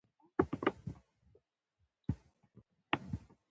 پسه په غرونو کې ښه وده کوي.